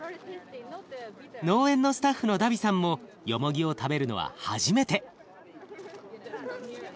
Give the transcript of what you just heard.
農園のスタッフのダビさんもよもぎを食べるのは初めて。